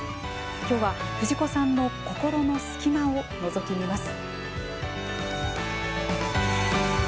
きょうは、藤子さんの心の隙間をのぞき見ます。